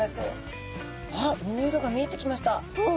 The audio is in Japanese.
あっ身の色が見えてきました。